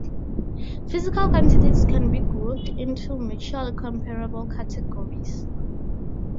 Physical quantities can be grouped into mutually comparable categories.